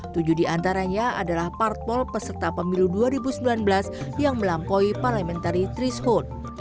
tujuh di antaranya adalah partpol peserta pemilu dua ribu sembilan belas yang melampaui parlamentari trish holt